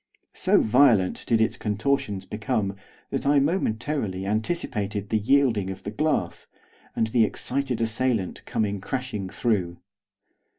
So violent did its contortions become that I momentarily anticipated the yielding of the glass, and the excited assailant coming crashing through.